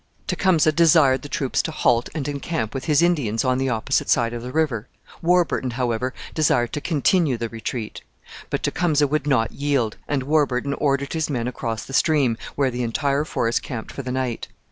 Tecumseh desired the troops to halt and encamp with his Indians on the opposite side of the river. Warburton, however, desired to continue the retreat. But Tecumseh would not yield, and Warburton ordered his men across the stream, where the entire force camped for the night.